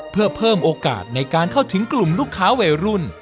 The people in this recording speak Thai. เพื่อเพิ่มโอกาสในการเข้าถึงกลุ่มลูกค้าวัยรุ่น